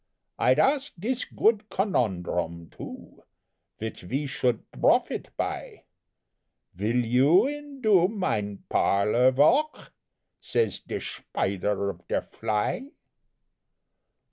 I'd ask dis goot conundhrum, too, Vich ve should brofit by: "'Vill you indo mine parlor valk?' Says der Shpider off der fly."